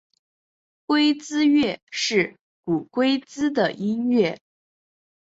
龟兹乐是古龟兹的音乐。